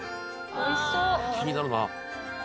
気になるな。